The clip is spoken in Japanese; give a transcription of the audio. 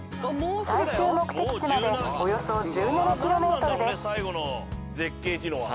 最終目的地までおよそ１７ｋｍです。